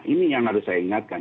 ini yang harus saya ingatkan